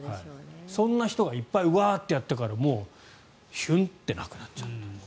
そんな人がいっぱいうわーってやったからヒュンってなくなっちゃった。